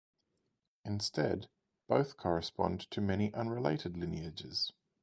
Instead, both correspond to many unrelated lineages.